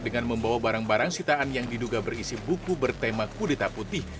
dengan membawa barang barang sitaan yang diduga berisi buku bertema kudeta putih